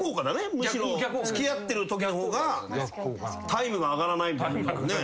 むしろ付き合ってるときの方がタイムが上がらないみたいな。